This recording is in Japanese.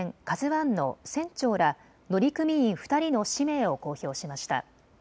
ＫＡＺＵわんの船長ら乗組員２人の氏名を公表しました。